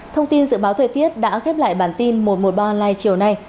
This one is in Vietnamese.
thông tin dự báo thời tiết đã khép lại bản tin một trăm một mươi ba online chiều nay